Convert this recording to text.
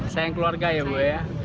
sayang keluarga ya ibu ya